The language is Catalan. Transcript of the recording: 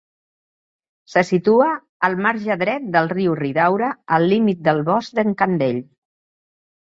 Se situa al marge dret del riu Ridaura, al límit del bosc d'en Candell.